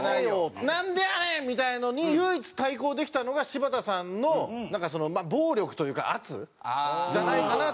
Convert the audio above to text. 「なんでやねん」みたいなのに唯一対抗できたのが柴田さんのなんか暴力というか圧じゃないかなと思うんですよね。